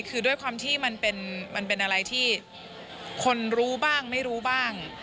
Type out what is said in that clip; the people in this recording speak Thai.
คือด้วยความที่มันเป็นอะไรที่คนรู้บ้างไม่รู้บ้าง